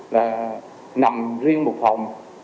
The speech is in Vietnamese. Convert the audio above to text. là nằm riêng một phòng